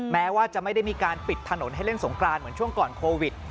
แม้ว่าจะไม่ได้มีการปิดถนนให้เล่นสงกรานเหมือนช่วงก่อนโควิด